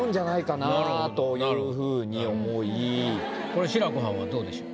これ志らくはんはどうでしょう？